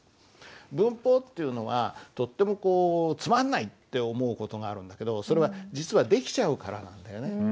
文法っていうのはとってもこう「つまんない！」って思う事があるんだけどそれは実はできちゃうからなんだよね。